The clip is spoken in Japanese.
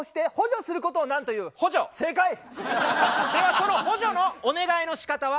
その補助のお願いの仕方は？